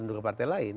dan juga partai lain